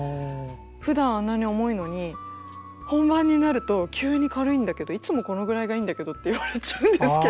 ふだんあんなに重いのに本番になると急に軽いんだけどいつもこのぐらいがいいんだけどって言われちゃうんですけど。